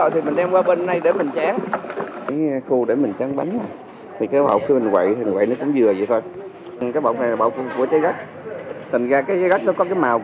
thì mình thấy là các ngân thợ người ta rất là khéo